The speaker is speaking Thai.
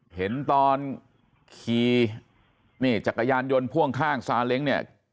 เห็นตอนขี่นี่จักรยานยนต์พ่วงข้างซาเล้งเนี่ย